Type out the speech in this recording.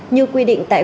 như quy định tại